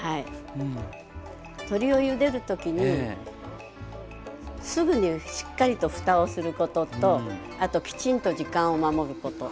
鶏をゆでる時にすぐにしっかりとふたをすることとあときちんと時間を守ること。